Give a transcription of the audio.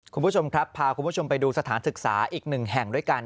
คุณผู้ชมครับพาคุณผู้ชมไปดูสถานศึกษาอีกหนึ่งแห่งด้วยกัน